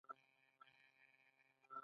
د نجونو تعلیم د کورنۍ خوارۍ مخنیوی دی.